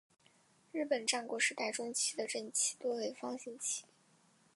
日本战国时代中期的阵旗多为方形旗。